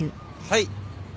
はい。